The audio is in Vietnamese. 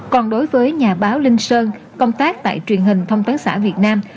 còn đối với nhà báo linh sơn công tác tại truyền hình thông tấn xã việt nam